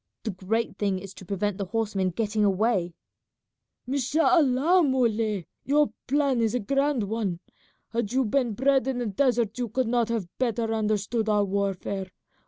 The great thing is to prevent the horsemen getting away." "Mashallah, Muley, your plan is a grand one. Had you been bred in the desert you could not have better understood our warfare.